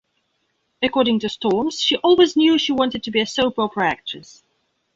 According to Storms, she always knew she wanted to be a soap opera actress.